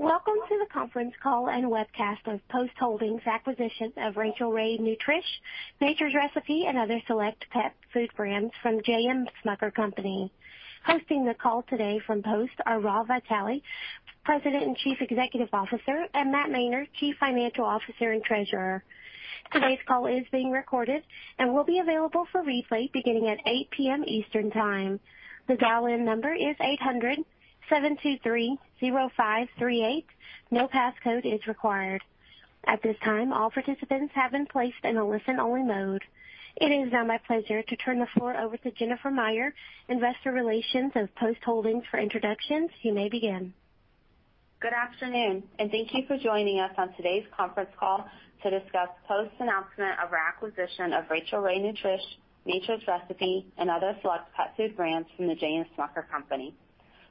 Welcome to the conference call and webcast of Post Holdings Acquisition of Rachael Ray Nutrish, Nature's Recipe, and other select pet food brands from J.M. Smucker Company. Hosting the call today from Post are Rob Vitale, President and Chief Executive Officer, and Matt Mainer, Chief Financial Officer and Treasurer. Today's call is being recorded and will be available for replay beginning at 8:00 P.M. Eastern Time. The dial-in number is 800-723-0538. No passcode is required. At this time, all participants have been placed in a listen-only mode. It is now my pleasure to turn the floor over to Jennifer Meyer, Investor Relations of Post Holdings, for introductions. You may begin. Good afternoon, and thank you for joining us on today's conference call to discuss Post's announcement of our acquisition of Rachael Ray Nutrish, Nature's Recipe, and other select pet food brands from the J.M. Smucker Company.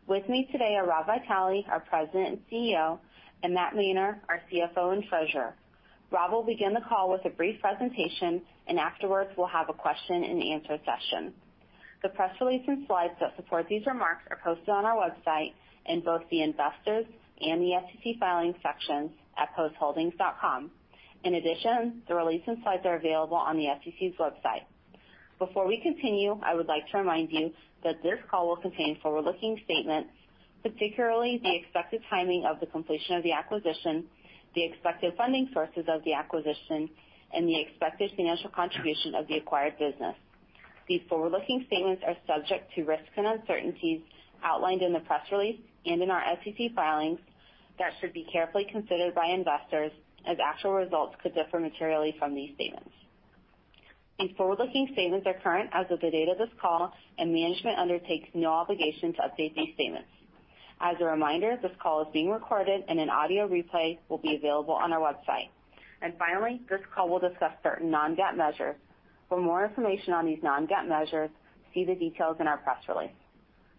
With me today are Rob Vitale, our President and CEO, and Matt Mainer, our CFO and Treasurer. Rob will begin the call with a brief presentation, and afterwards we'll have a question-and-answer session. The press release and slides that support these remarks are posted on our website in both the Investors and the FTC Filings sections at postholdings.com. In addition, the release and slides are available on the FTC's website. Before we continue, I would like to remind you that this call will contain forward-looking statements, particularly the expected timing of the completion of the acquisition, the expected funding sources of the acquisition, and the expected financial contribution of the acquired business. These forward-looking statements are subject to risks and uncertainties outlined in the press release and in our FTC Filings that should be carefully considered by investors, as actual results could differ materially from these statements. These forward-looking statements are current as of the date of this call, and management undertakes no obligation to update these statements. As a reminder, this call is being recorded, and an audio replay will be available on our website. Finally, this call will discuss certain non-GAAP measures. For more information on these non-GAAP measures, see the details in our press release.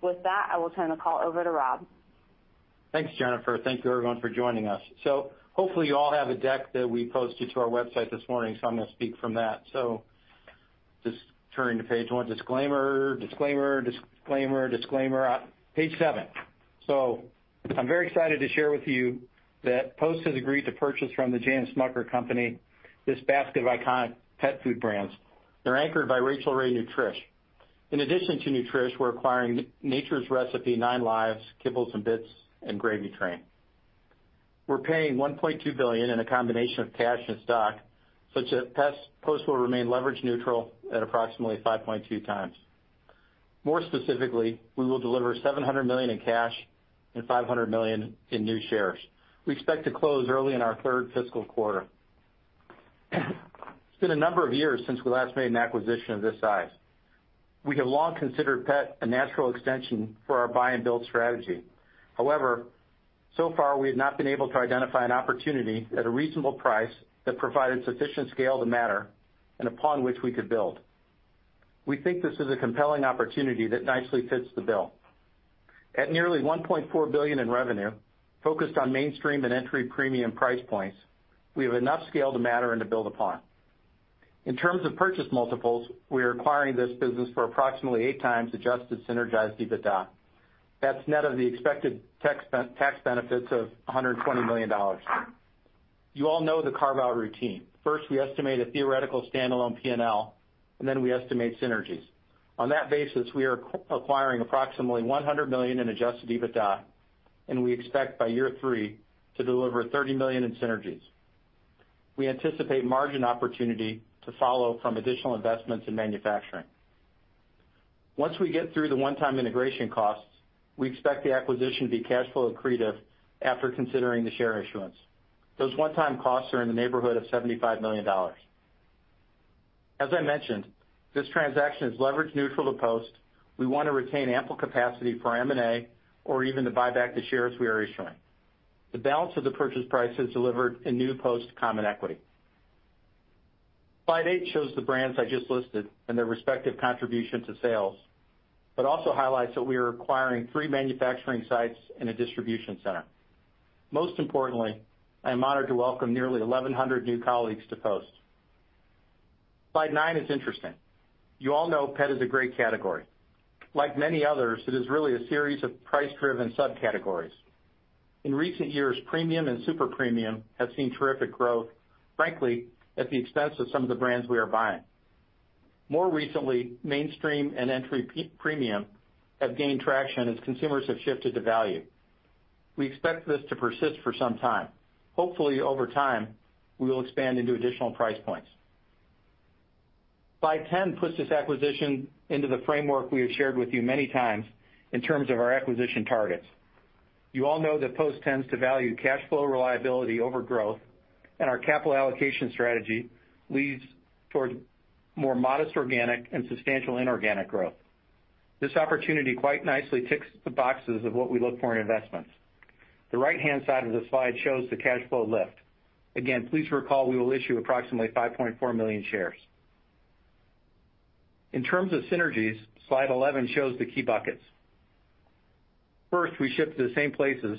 With that, I will turn the call over to Rob. Thanks, Jennifer. Thank you, everyone, for joining us. So hopefully you all have a deck that we posted to our website this morning, so I'm going to speak from that. So, just turning to page one, disclaimer, disclaimer, disclaimer, disclaimer. Page seven. So, I'm very excited to share with you that Post has agreed to purchase from the J.M. Smucker Company this basket of iconic pet food brands. They're anchored by Rachael Ray Nutrish. In addition to Nutrish, we're acquiring Nature's Recipe, 9Lives, Kibbles 'n Bits, and Gravy Train. We're paying $1.2 billion in a combination of cash and stock, such that Post will remain leverage neutral at approximately 5.2x. More specifically, we will deliver $700 million in cash and $500 million in new shares. We expect to close early in our third fiscal quarter. It's been a number of years since we last made an acquisition of this size. We have long considered pet a natural extension for our buy-and-build strategy. However, so far we have not been able to identify an opportunity at a reasonable price that provided sufficient scale to matter and upon which we could build. We think this is a compelling opportunity that nicely fits the bill. At nearly $1.4 billion in revenue, focused on mainstream and entry premium price points, we have enough scale to matter and to build upon. In terms of purchase multiples, we are acquiring this business for approximately 8x Adjusted Synergized EBITDA. That's net of the expected tax benefits of $120 million. You all know the carve-out routine. First, we estimate a theoretical standalone P&L, and then we estimate synergies. On that basis, we are acquiring approximately $100 million in adjusted EBITDA, and we expect by year three to deliver $30 million in synergies. We anticipate margin opportunity to follow from additional investments in manufacturing. Once we get through the one-time integration costs, we expect the acquisition to be cash flow accretive after considering the share issuance. Those one-time costs are in the neighborhood of $75 million. As I mentioned, this transaction is leverage neutral to Post. We want to retain ample capacity for M&A or even to buy back the shares we are issuing. The balance of the purchase price is delivered in new Post common equity. Slide eight shows the brands I just listed and their respective contribution to sales, but also highlights that we are acquiring three manufacturing sites and a distribution center. Most importantly, I am honored to welcome nearly 1,100 new colleagues to Post. Slide nine is interesting. You all know pet is a great category. Like many others, it is really a series of price-driven subcategories. In recent years, premium and super premium have seen terrific growth, frankly, at the expense of some of the brands we are buying. More recently, mainstream and entry premium have gained traction as consumers have shifted to value. We expect this to persist for some time. Hopefully, over time, we will expand into additional price points. Slide 10 puts this acquisition into the framework we have shared with you many times in terms of our acquisition targets. You all know that Post tends to value cash flow reliability over growth, and our capital allocation strategy leads toward more modest organic and substantial inorganic growth. This opportunity quite nicely ticks the boxes of what we look for in investments. The right-hand side of the slide shows the cash flow lift. Again, please recall we will issue approximately 5.4 million shares. In terms of synergies, slide 11 shows the key buckets. First, we ship to the same places,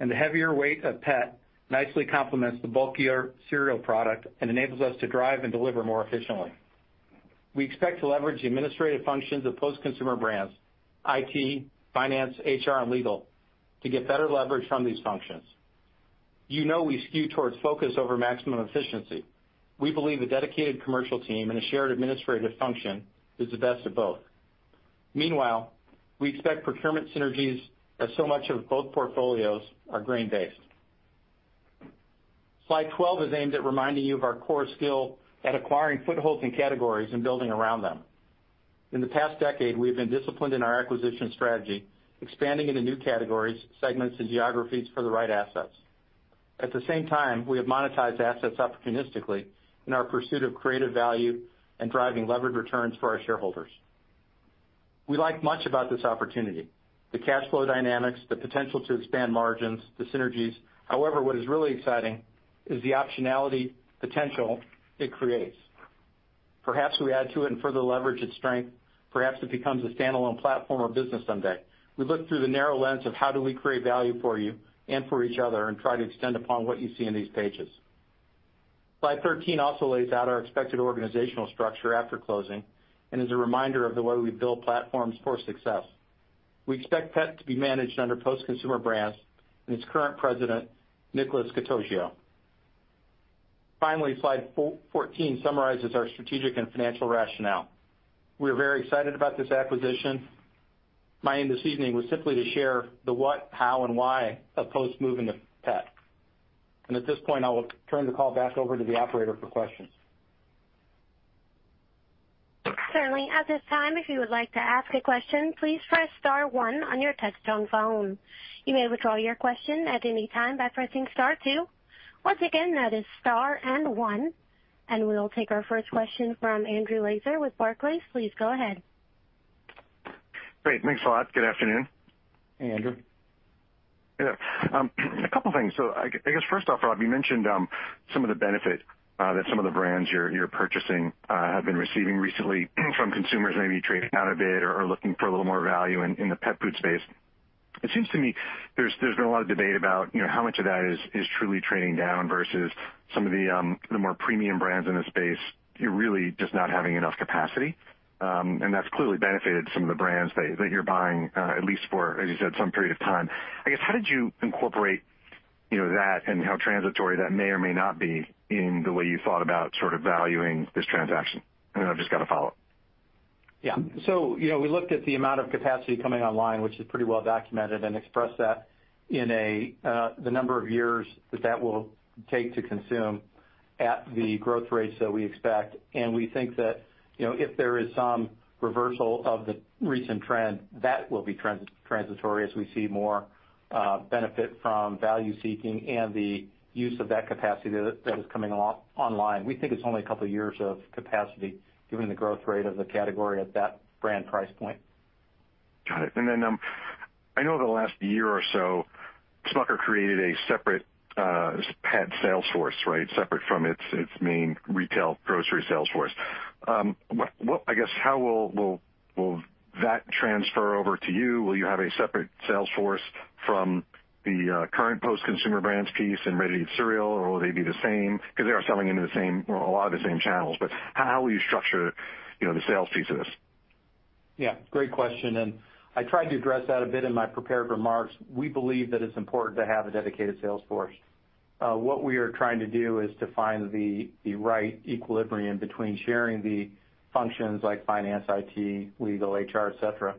and the heavier weight of pet nicely complements the bulkier cereal product and enables us to drive and deliver more efficiently. We expect to leverage the administrative functions of Post's consumer brands: IT, finance, HR, and legal to get better leverage from these functions. You know we skew towards focus over maximum efficiency. We believe a dedicated commercial team and a shared administrative function is the best of both. Meanwhile, we expect procurement synergies, as so much of both portfolios are grain-based. Slide 12 is aimed at reminding you of our core skill at acquiring footholds in categories and building around them. In the past decade, we have been disciplined in our acquisition strategy, expanding into new categories, segments, and geographies for the right assets. At the same time, we have monetized assets opportunistically in our pursuit of creative value and driving leverage returns for our shareholders. We like much about this opportunity. The cash flow dynamics, the potential to expand margins, the synergies, however, what is really exciting is the optionality potential it creates. Perhaps we add to it and further leverage its strength. Perhaps it becomes a standalone platform or business someday. We look through the narrow lens of how do we create value for you and for each other and try to extend upon what you see in these pages. Slide 13 also lays out our expected organizational structure after closing and is a reminder of the way we build platforms for success. We expect pet to be managed under Post's consumer brands and its current president, Nicolas Catoggio. Finally, slide 14 summarizes our strategic and financial rationale. We are very excited about this acquisition. My aim this evening was simply to share the what, how, and why of Post moving to pet. At this point, I will turn the call back over to the operator for questions. Certainly. At this time, if you would like to ask a question, please press star one on your touch-tone phone. You may withdraw your question at any time by pressing star two. Once again, that is star and one. And we'll take our first question from Andrew Lazar with Barclays. Please go ahead. Great. Thanks a lot. Good afternoon. Hey, Andrew. Yeah. A couple of things. So I guess, first off, Rob, you mentioned some of the benefit that some of the brands you're purchasing have been receiving recently from consumers maybe trading out a bit or looking for a little more value in the pet food space. It seems to me there's been a lot of debate about how much of that is truly trading down versus some of the more premium brands in the space really just not having enough capacity? And that's clearly benefited some of the brands that you're buying, at least for, as you said, some period of time. I guess, how did you incorporate that and how transitory that may or may not be in the way you thought about sort of valuing this transaction? And I've just got to follow. Yeah. So, we looked at the amount of capacity coming online, which is pretty well documented, and expressed that in the number of years that that will take to consume at the growth rates that we expect. And we think that if there is some reversal of the recent trend, that will be transitory as we see more benefit from value seeking and the use of that capacity that is coming online, we think it's only a couple of years of capacity given the growth rate of the category at that brand price point. Got it. And then I know the last year or so, Smucker created a separate pet sales force, right, separate from its main retail grocery sales force. I guess, how will that transfer over to you? Will you have a separate sales force from the current Post Consumer Brands piece and ready to eat cereal, or will they be the same? Because they are selling into a lot of the same channels, but how will you structure the sales piece of this? Yeah. Great question. And, I tried to address that a bit in my prepared remarks. We believe that it's important to have a dedicated sales force. What we are trying to do is to find the right equilibrium between sharing the functions like finance, IT, legal, HR, etc.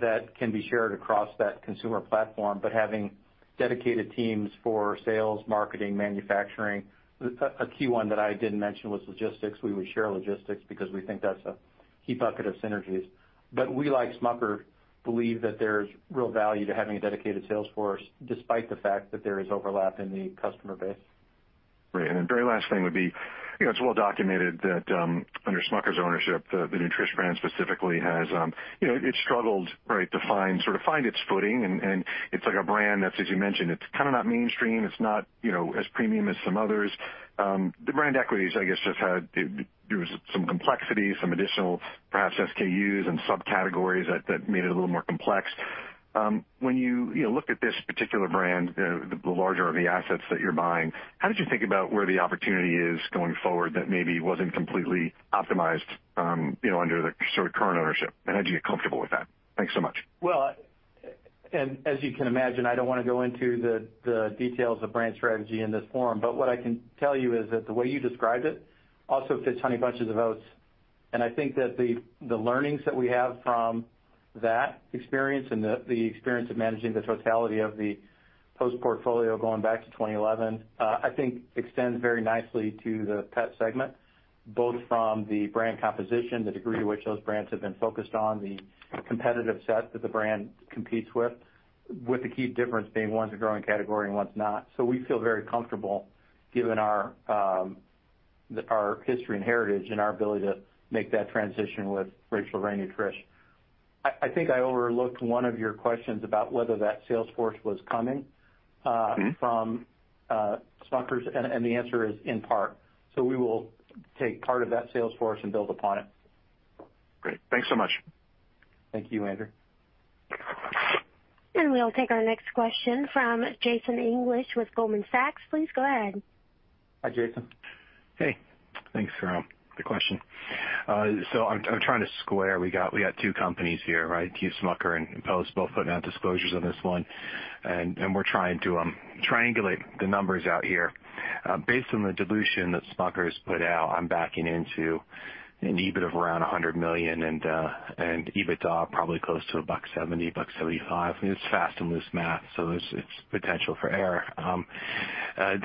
That can be shared across that consumer platform, but having dedicated teams for sales, marketing, manufacturing. A key one that I didn't mention was logistics we would share logistics because we think that's a key bucket of synergies. But, we, like Smucker, believe that there's real value to having a dedicated sales force despite the fact that there is overlap in the customer base. Right. And then very last thing would be, you know, it's well documented that under Smucker's ownership, the Nutrish brand specifically has struggled, right, to find sort of find its footing and, it's like a brand that's, as you mentioned, it's kind of not mainstream it's not as premium as some others. The brand equities, I guess, just had there was some complexity, some additional perhaps SKUs and subcategories that made it a little more complex. When you looked at this particular brand, the larger of the assets that you're buying, how did you think about where the opportunity is going forward that maybe wasn't completely optimized under the sort of current ownership? And how did you get comfortable with that? Thanks so much. Well, and as you can imagine, I don't want to go into the details of brand strategy in this forum, but, what I can tell you is that the way you described it, also fits Honey Bunches of Oats. And I think that the learnings that we have from that experience and the experience of managing the totality of the Post portfolio going back to 2011, I think extends very nicely to the pet segment. Both from the brand composition, the degree to which those brands have been focused on, the competitive set that the brand competes with, with the key difference being one's a growing category and one's not so, we feel very comfortable, given our history and heritage and our ability to make that transition with Rachael Ray Nutrish. I think I overlooked one of your questions about whether that sales force was coming, from Smucker's, and the answer is in part. So, we will take part of that sales force and build upon it. Great. Thanks so much. Thank you, Andrew. We'll take our next question from Jason English with Goldman Sachs. Please go ahead. Hi, Jason. Hey. Thanks for the question. So I'm trying to square we got two companies here, right? J.M. Smucker and Post both putting out disclosures on this one. And, we're trying to triangulate the numbers out here. Based on the dilution that Smucker has put out, I'm backing into an EBIT of around $100 million and EBITDA probably close to $170 million, $175 million [inaudible] It's fast and loose math, so there's potential for error. But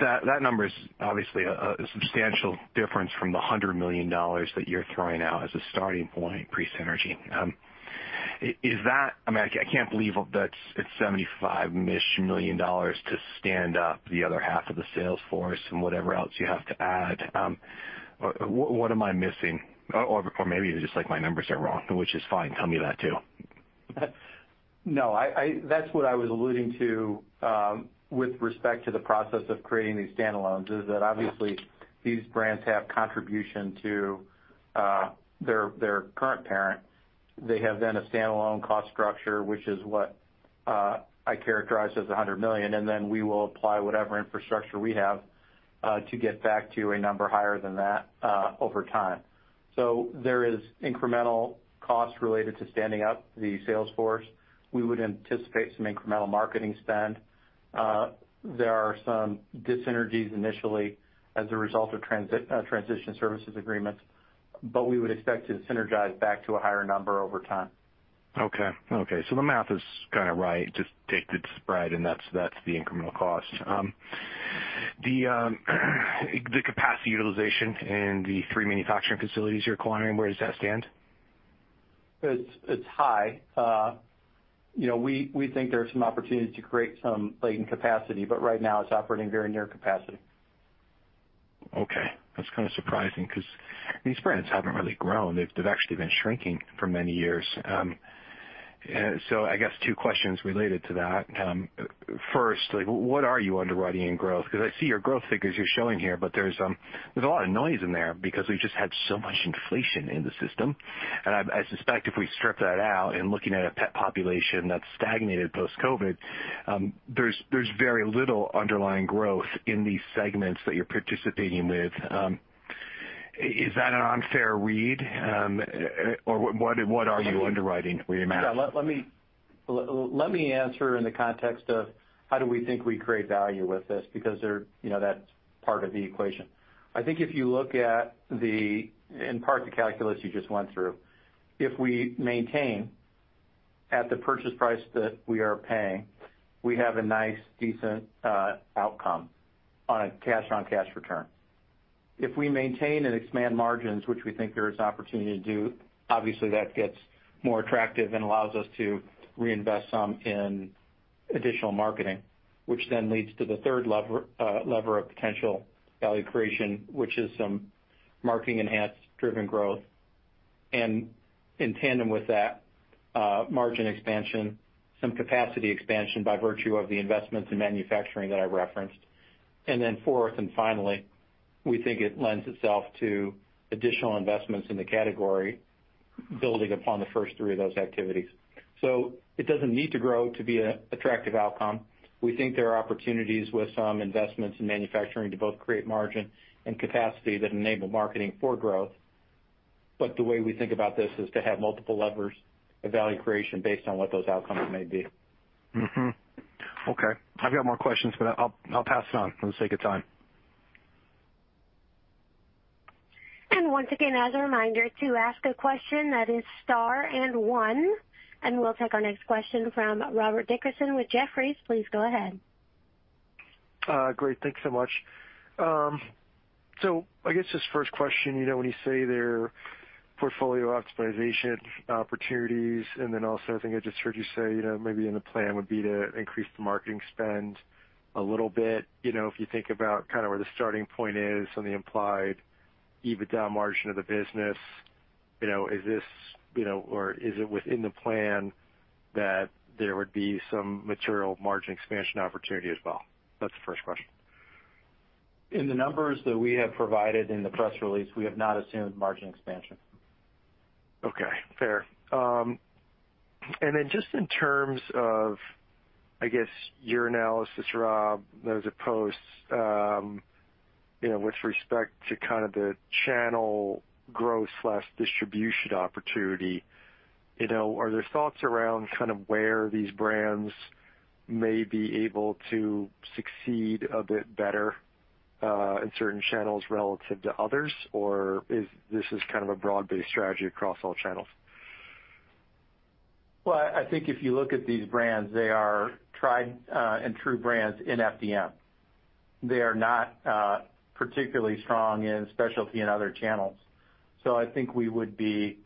that number, is obviously a substantial difference from the $100 million that you're throwing out as a starting point pre-synergy. Is that, I mean, I can't believe that it's $75 million to stand up the other half of the sales force and whatever else you have to add. What am I missing? Or maybe it's just like my numbers are wrong, which is fine. Tell me that too. No. That's what I was alluding to, with respect to the process of creating these standalones is that obviously these brands have contribution to their current parent. They have then a standalone cost structure, which is what I characterize as $100 million and then we will apply whatever infrastructure we have, to get back to a number higher than that over time. So, there is incremental cost related to standing up the sales force. We would anticipate some incremental marketing spend. There are some dyssynergies initially as a result of transition services agreements, but we would expect to synergize back to a higher number over time. Okay. Okay. So, the math is kind of right just take the spread, and that's the incremental cost. The capacity utilization and the three manufacturing facilities you're acquiring, where does that stand? It's high. We think there's some opportunity to create some latent capacity, but, right now it's operating very near capacity. Okay. That's kind of surprising because these brands haven't really grown they've actually been shrinking for many years. So, I guess two questions related to that. First, what are you underwriting in growth? Because I see your growth figures you're showing here, but there's a lot of noise in there because we've just had so much inflation in the system. And I suspect if we strip that out and looking at a pet population that's stagnated post-COVID, there's very little underlying growth in these segments that you're participating with. Is that an unfair read? Or what are you underwriting where you're at? Yeah. Let me answer in the context of how do we think we create value with this? because that's part of the equation. I think if you look at the, in part, the calculus you just went through, if we maintain at the purchase price that we are paying, we have a nice, decent outcome on a Cash-on-Cash Return. If we maintain and expand margins, which we think there is an opportunity to do, obviously that gets more attractive and allows us to reinvest some in additional marketing, which then leads to the third lever of potential value creation, which is some marketing-enhanced driven growth. And, in tandem with that, margin expansion, some capacity expansion by virtue of the investments in manufacturing that I referenced. And then fourth and finally, we think it lends itself to additional investments in the category, building upon the first three of those activities. So, it doesn't need to grow to be an attractive outcome. We think there are opportunities with some investments in manufacturing to both create margin and capacity that enable marketing for growth. But, the way we think about this is to have multiple levers of value creation based on what those outcomes may be. Okay. I've got more questions, but I'll pass it on. Let's take your time. Once again, as a reminder to ask a question that is star and one. We'll take our next question from Robert Dickerson with Jefferies. Please go ahead. Great. Thanks so much. So, I guess this first question, you know when you say their portfolio optimization opportunities, and then also I think I just heard you say maybe in the plan would be to increase the marketing spend a little bit. If you think about kind of where the starting point is on the implied EBITDA margin of the business, is this or is it within the plan, that there would be some material margin expansion opportunity as well? That's the first question. In the numbers that we have provided in the press release, we have not assumed margin expansion. Okay. Fair. And then just in terms of, I guess, your analysis, Rob, as opposed with respect to kind of the channel growth/distribution opportunity, are there thoughts around kind of where these brands may be able to succeed a bit better in certain channels relative to others? or is this kind of a broad-based strategy across all channels? Well, I think if you look at these brands, they are tried and true brands in FDM. They are not particularly strong in specialty and other channels. So, I think we would be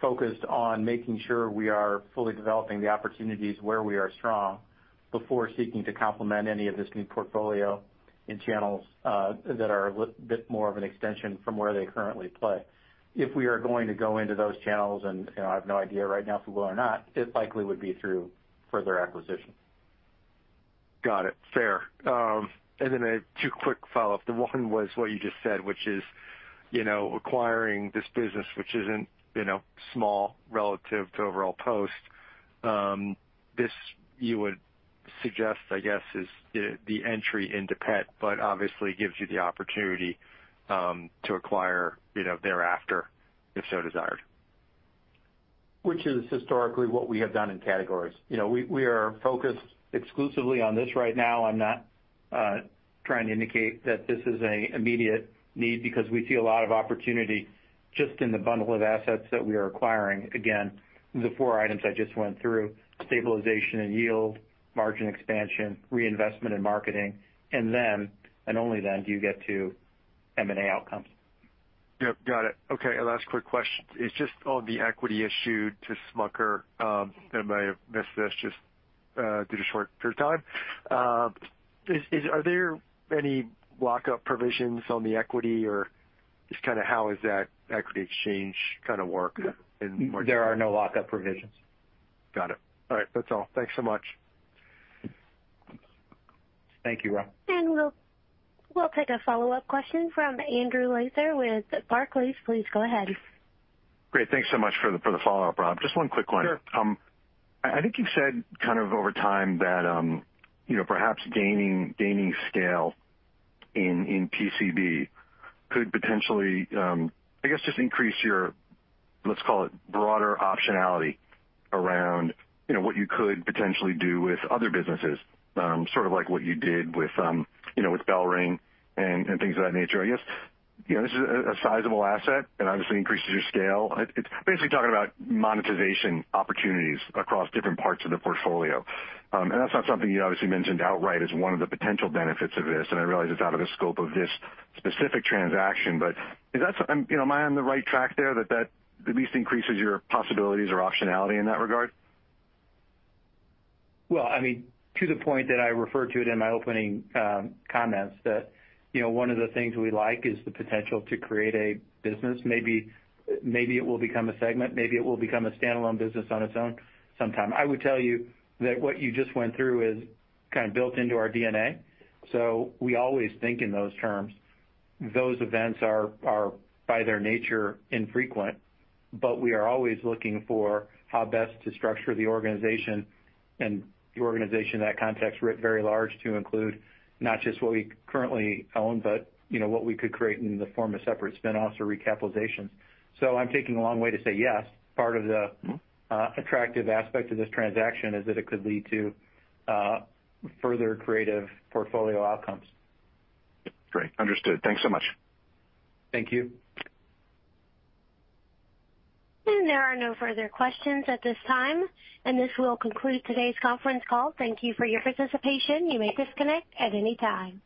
focused on making sure we are fully developing the opportunities where we are strong, before seeking to complement any of this new portfolio in channels that are a bit more of an extension from where they currently play. If we are going to go into those channels and I have no idea right now if we will or not, it likely would be through further acquisition. Got it. Fair. And then two quick follow-ups the one was what you just said, which is acquiring this business, which isn't small relative to overall Post. This you would suggest, I guess, is the entry into pet, but obviously gives you the opportunity to acquire thereafter if so desired. Which is historically what we have done in categories. We are focused exclusively on this right now. I'm not trying to indicate that this is an immediate need because we see a lot of opportunity just in the bundle of assets that we are acquiring again, the four items I just went through: stabilization and yield, margin expansion, reinvestment and marketing, and then and only then do you get to M&A outcomes. Yep. Got it. Okay. Last quick question. It's just all the equity issued to Smucker. I might have missed this just due to short period of time. Are there any lockup provisions on the equity or just kind of how is that equity exchange kind of work in margin? There are no lockup provisions. Got it. All right. That's all. Thanks so much. Thank you, Rob. We'll take a follow-up question from Andrew Lazar with Barclays. Please go ahead. Great. Thanks so much for the follow-up, Rob. Just one quick one. I think you said kind of over time that perhaps gaining scale in PCB, could potentially, I guess, just increase your, let's call it, broader optionality around what you could potentially do with other businesses, sort of like what you did with Bell Ring and things of that nature. I guess this is a sizable asset and obviously increases your scale it's basically talking about monetization opportunities across different parts of the portfolio. And that's not something you obviously mentioned outright as one of the potential benefits of this and I realize it's out of the scope of this specific transaction, but, am I on the right track there that that at least increases your possibilities or optionality in that regard? Well, I mean, to the point that I referred to it in my opening comments that one of the things we like is the potential to create a business maybe, it will become a segment maybe it will become a standalone business on its own, sometime i would tell you that what you just went through is kind of built into our DNA? So, we always think in those terms. Those events are by their nature infrequent, but, we are always looking for how best to structure the organization. And, the organization in that context grows very large to include not just what we currently own, but, what we could create in the form of separate spinoffs or recapitalizations. So I'm taking a long way to say yes. Part of the attractive aspect of this transaction is that it could lead to further creative portfolio outcomes. Great. Understood. Thanks so much. Thank you. There are no further questions at this time. This will conclude today's conference call. Thank you for your participation. You may disconnect at any time.